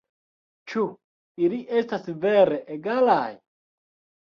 Ĉu ili estas vere egalaj?